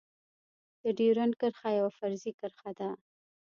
د ډيورند کرښه يوه فرضي کرښه ده.